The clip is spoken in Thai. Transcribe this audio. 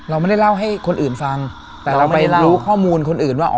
เราไม่ได้เล่าให้คนอื่นฟังแต่เราไม่รู้ข้อมูลคนอื่นว่า